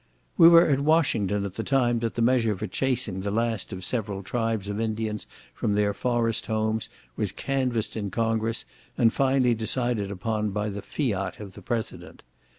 We were at Washington at the time that the measure for chasing the last of several tribes of Indians from their forest homes, was canvassed in congress, and finally decided upon by the FIAT of the President.